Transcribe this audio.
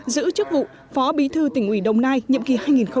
giữ chức vụ phó bí thư tỉnh ủy đồng nai nhiệm kỳ hai nghìn hai mươi hai nghìn hai mươi năm